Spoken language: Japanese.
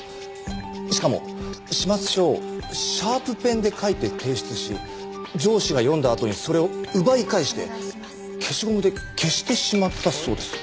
しかも始末書をシャープペンで書いて提出し上司が読んだあとにそれを奪い返して消しゴムで消してしまったそうです。